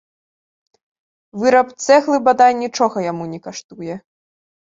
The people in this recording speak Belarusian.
Выраб цэглы бадай нічога яму не каштуе.